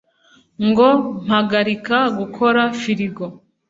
“Ngo mpagarika gukora firigo